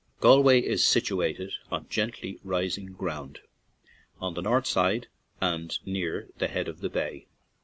Galway is situated on gently rising ground, on the north side and near the head of the bay.